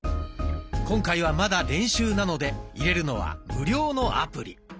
今回はまだ練習なので入れるのは無料のアプリ。